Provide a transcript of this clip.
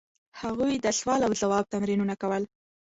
هغوی د سوال او ځواب تمرینونه کول.